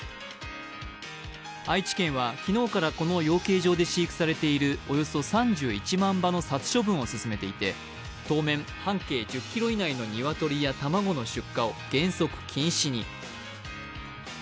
愛知県は昨日から、この養鶏場で飼育されているおよそ３１万羽の殺処分を進めていて、当面半径１０ｋｍ以内の鶏や卵の出荷を原則禁止に。